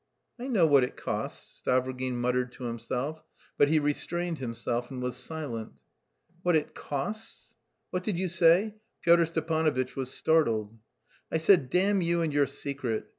"I know what it costs," Stavrogin muttered to himself, but he restrained himself and was silent. "What it costs? What did you say?" Pyotr Stepanovitch was startled. "I said, 'Damn you and your secret!'